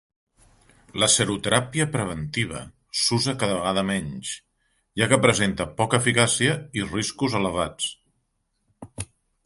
La seroteràpia preventiva s'usa cada vegada menys, ja que presenta poca eficàcia i riscos elevats.